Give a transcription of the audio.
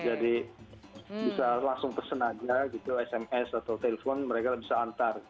jadi bisa langsung pesan aja gitu sms atau telepon mereka bisa antar